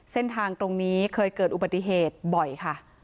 เส้นทางตรงนี้เคยเกิดอุบัติเหตุบ่อยค่ะ